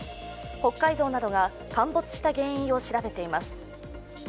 北海道などが陥没した原因を調べています。